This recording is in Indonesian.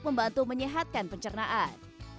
membantu menyehatkan pencernaan